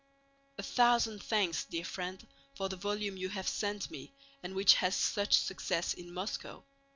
A thousand thanks, dear friend, for the volume you have sent me and which has such success in Moscow.